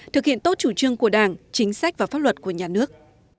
thực hiện tốt chủ trương của đảng chính sách và pháp luật của nhà nước